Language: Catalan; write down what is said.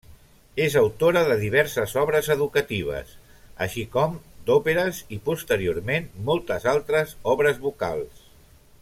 És autora de diverses obres educatives, així com d'òperes i posteriorment moltes altres obres vocals.